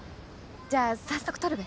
じゃあ早速撮るべ？